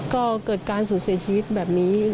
ก็เกิดการสูญเสียชีวิตแบบนี้